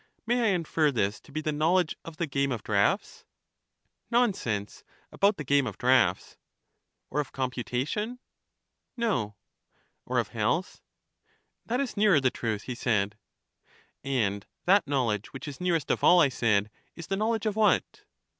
May I infer this to be the knowledge of the game of draughts? Nonsense about the game of draughts. Or of computation? No. Or of health? o.i.e..vGoogle CHARMIDES 39 That is nearer the truth, he said. And that knowledge which is nearest of all, I said, is the knowledge of what?